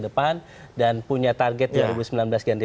depan dan punya target dua ribu sembilan belas ganti